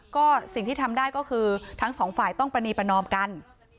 ก็สิ่งที่ทำได้ก็คือทั้งสองฝ่ายต้องประณีประนอมกัน